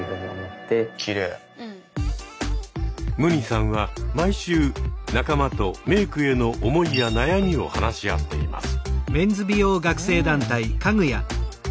ＭＵＮＩさんは毎週仲間とメークへの思いや悩みを話し合っています。